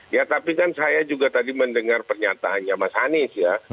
ya tapi kan saya juga tadi mendengar pernyataannya mas anies ya